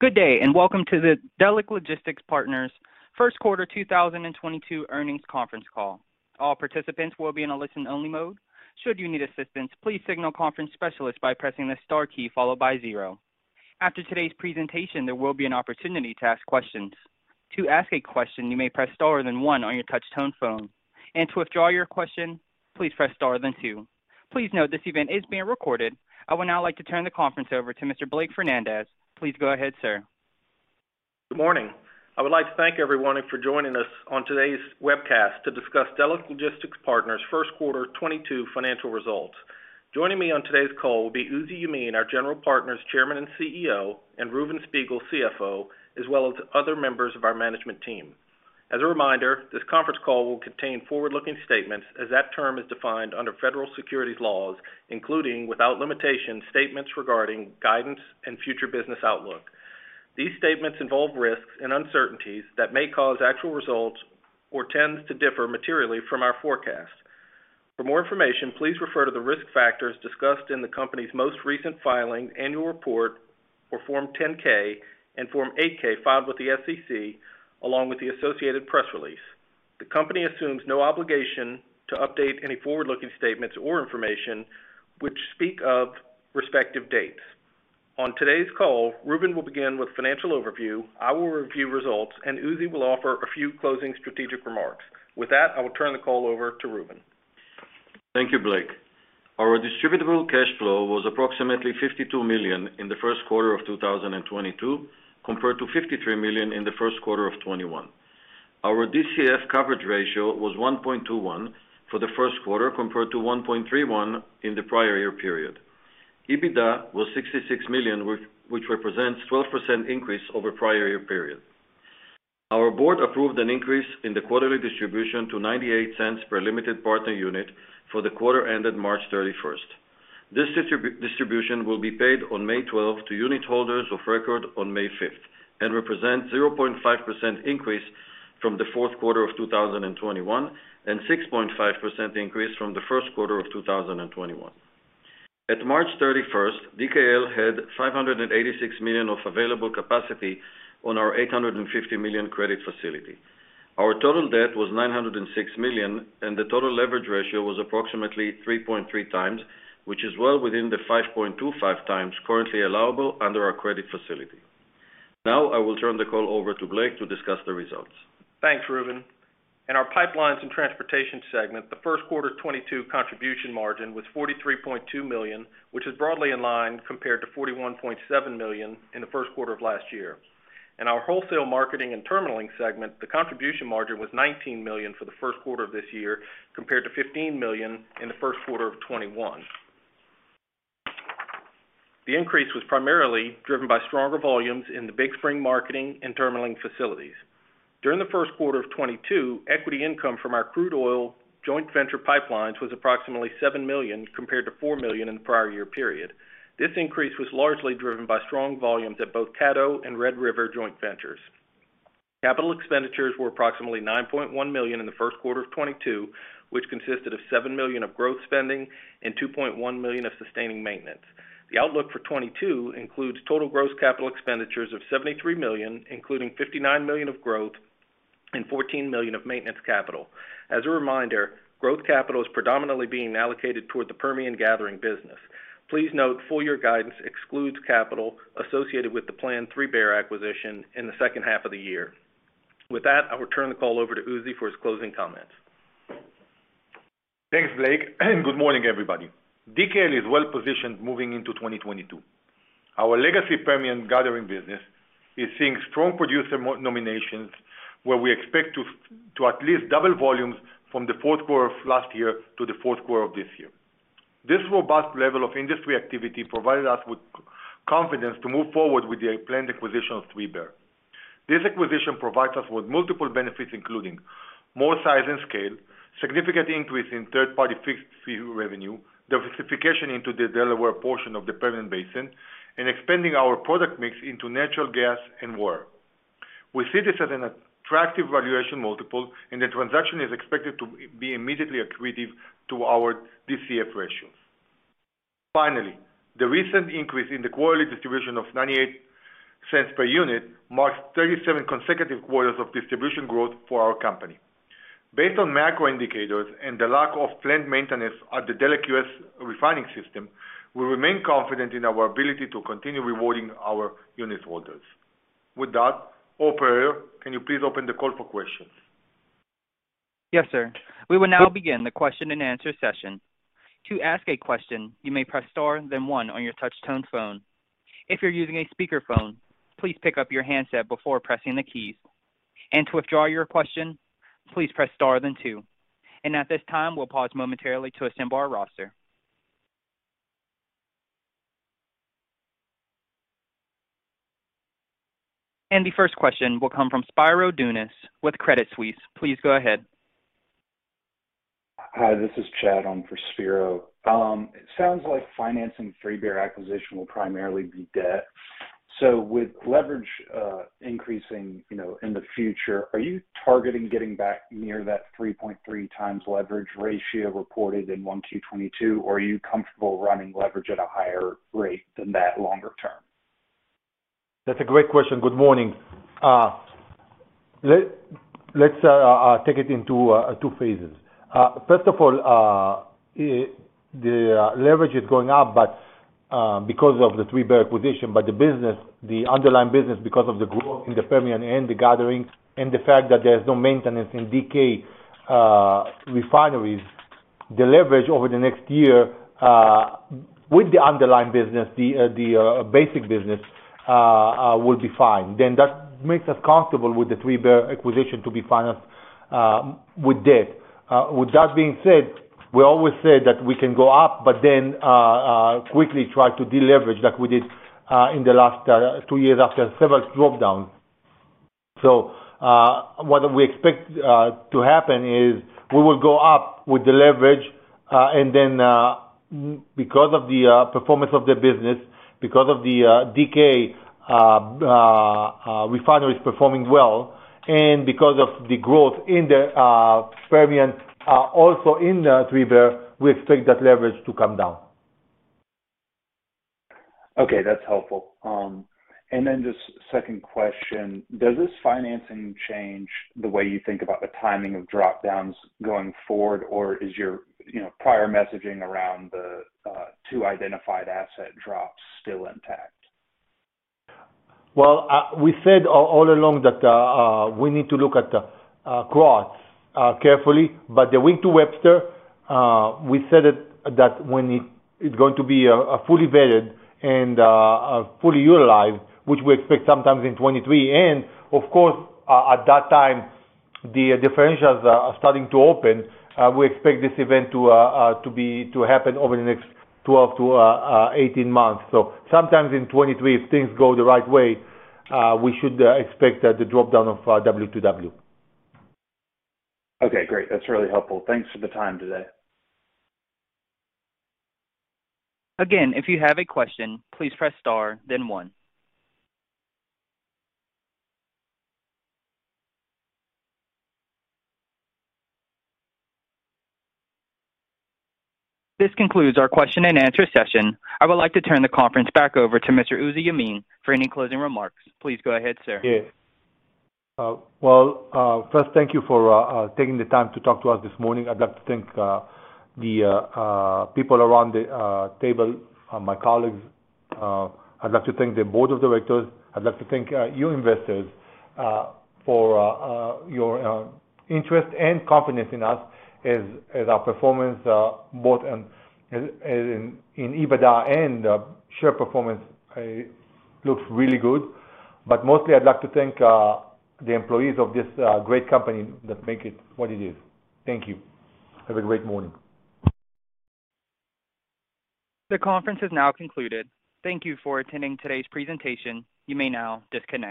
Good day, and welcome to the Delek Logistics Partners first quarter 2022 earnings conference call. All participants will be in a listen-only mode. Should you need assistance, please signal conference specialist by pressing the star key followed by zero. After today's presentation, there will be an opportunity to ask questions. To ask a question, you may press star then one on your touchtone phone. To withdraw your question, please press star then two. Please note this event is being recorded. I would now like to turn the conference over to Mr. Blake Fernandez. Please go ahead, sir. Good morning. I would like to thank everyone for joining us on today's webcast to discuss Delek Logistics Partners first quarter 2022 financial results. Joining me on today's call will be Uzi Yemin, our general partner's Chairman and CEO, and Reuven Spiegel, CFO, as well as other members of our management team. As a reminder, this conference call will contain forward-looking statements as that term is defined under federal securities laws, including, without limitation, statements regarding guidance and future business outlook. These statements involve risks and uncertainties that may cause actual results or trends to differ materially from our forecast. For more information, please refer to the risk factors discussed in the company's most recent filing, annual report or Form 10-K and Form 8-K filed with the SEC, along with the associated press release. The company assumes no obligation to update any forward-looking statements or information which speak of respective dates. On today's call, Reuven will begin with financial overview, I will review results, and Uzi will offer a few closing strategic remarks. With that, I will turn the call over to Reuven. Thank you, Blake. Our distributable cash flow was approximately $52 million in the first quarter of 2022, compared to $53 million in the first quarter of 2021. Our DCF coverage ratio was 1.21 for the first quarter compared to 1.31 in the prior year period. EBITDA was $66 million, which represents 12% increase over prior year period. Our board approved an increase in the quarterly distribution to $0.98 per limited partner unit for the quarter ended March 31. This distribution will be paid on May 12 to unitholders of record on May 5 and represent 0.5% increase from the fourth quarter of 2021 and 6.5% increase from the first quarter of 2021. As of March 31, DKL had $586 million of available capacity on our $850 million credit facility. Our total debt was $906 million, and the total leverage ratio was approximately 3.3x, which is well within the 5.25x currently allowable under our credit facility. Now, I will turn the call over to Blake to discuss the results. Thanks, Reuven. In our Pipelines and Transportation segment, the first quarter 2022 contribution margin was $43.2 million, which is broadly in line compared to $41.7 million in the first quarter of last year. In our Wholesale Marketing and Terminalling segment, the contribution margin was $19 million for the first quarter of this year compared to $15 million in the first quarter of 2021. The increase was primarily driven by stronger volumes in the Big Spring Marketing and Terminalling facilities. During the first quarter of 2022, equity income from our crude oil joint venture pipelines was approximately $7 million compared to $4 million in the prior year period. This increase was largely driven by strong volumes at both Caddo and Red River joint ventures. Capital expenditures were approximately $9.1 million in the first quarter of 2022, which consisted of $7 million of growth spending and $2.1 million of sustaining maintenance. The outlook for 2022 includes total gross capital expenditures of $73 million, including $59 million of growth and $14 million of maintenance capital. As a reminder, growth capital is predominantly being allocated toward the Permian gathering business. Please note full year guidance excludes capital associated with the planned 3Bear acquisition in the second half of the year. With that, I will turn the call over to Uzi for his closing comments. Thanks, Blake. Good morning, everybody. DKL is well-positioned moving into 2022. Our legacy Permian gathering business is seeing strong producer nominations, where we expect to at least double volumes from the fourth quarter of last year to the fourth quarter of this year. This robust level of industry activity provided us with confidence to move forward with the planned acquisition of 3Bear. This acquisition provides us with multiple benefits including more size and scale, significant increase in third-party fixed fee revenue, diversification into the Delaware portion of the Permian Basin, and expanding our product mix into natural gas and water. We see this as an attractive valuation multiple, and the transaction is expected to be immediately accretive to our DCF ratios. Finally, the recent increase in the quarterly distribution of $0.98 per unit marks 37 consecutive quarters of distribution growth for our company. Based on macro indicators and the lack of planned maintenance at the Delek US refining system, we remain confident in our ability to continue rewarding our unitholders. With that, operator, can you please open the call for questions? Yes, sir. We will now begin the question and answer session. To ask a question, you may press star then one on your touchtone phone. If you're using a speakerphone, please pick up your handset before pressing the keys. To withdraw your question, please press star then two. At this time, we'll pause momentarily to assemble our roster. The first question will come from Spiro Dounis with Credit Suisse. Please go ahead. Hi, this is Chad on for Spiro. It sounds like financing 3Bear acquisition will primarily be debt. With leverage increasing, you know, in the future, are you targeting getting back near that 3.3x leverage ratio reported in 1Q 2022 or are you comfortable running leverage at a higher rate than that longer term? That's a great question. Good morning. Let's take it into two phases. First of all, the leverage is going up, but because of the 3Bear acquisition. The business, the underlying business, because of the growth in the Permian and the gathering and the fact that there's no maintenance in DK refineries, the leverage over the next year with the underlying business, the basic business, will be fine. That makes us comfortable with the 3Bear acquisition to be financed with debt. With that being said, we always said that we can go up, but then quickly try to deleverage like we did in the last two years after several drop down. What we expect to happen is we will go up with the leverage, and then, because of the performance of the business, because of the DK refinery is performing well, and because of the growth in the Permian also in the 3Bear, we expect that leverage to come down. Okay. That's helpful. Just second question. Does this financing change the way you think about the timing of drop-downs going forward or is your, you know, prior messaging around the, two identified asset drops still intact? Well, we said all along that we need to look at the growth carefully. The Wink to Webster, we said that when it is going to be fully vetted and fully utilized, which we expect sometime in 2023. Of course, at that time, the differentials are starting to open. We expect this event to happen over the next 12-18 months. Sometime in 2023, if things go the right way, we should expect the drop down of W2W. Okay, great. That's really helpful. Thanks for the time today. Again, if you have a question, please press star then one. This concludes our question and answer session. I would like to turn the conference back over to Mr. Uzi Yemin for any closing remarks. Please go ahead, sir. Yeah. Well, first thank you for taking the time to talk to us this morning. I'd like to thank the people around the table, my colleagues. I'd like to thank the board of directors. I'd like to thank you investors for your interest and confidence in us as our performance both in EBITDA and share performance looks really good. Mostly I'd like to thank the employees of this great company that make it what it is. Thank you. Have a great morning. The conference is now concluded. Thank you for attending today's presentation. You may now disconnect.